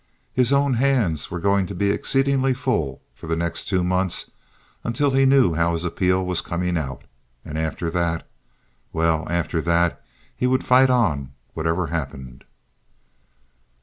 His own hands were going to be exceedingly full for the next two months until he knew how his appeal was coming out. And after that—well, after that he would fight on, whatever happened.